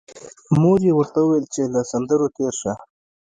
مور یې ورته ویل چې له سندرو تېر شه